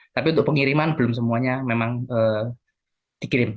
tapi untuk pengiriman belum semuanya memang dikirim